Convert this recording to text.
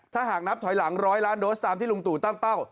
ถ้าหากนับถอยหลัง๑๐๐ล้านโดสตามที่ลุงตู่ตั้งเป้า